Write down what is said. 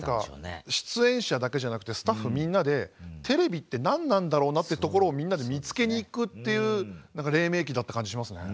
出演者だけじゃなくてスタッフみんなでテレビって何なんだろうなってところをみんなで見つけにいくっていう黎明期だった感じしますね。